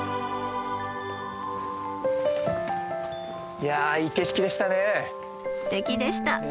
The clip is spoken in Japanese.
いやいい景色でしたね。